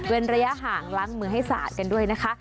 ระยะห่างล้างมือให้สาดกันด้วยนะคะ